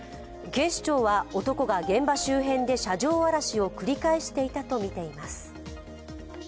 警視庁は男が現場周辺で車上荒らしを繰り返していたとみています。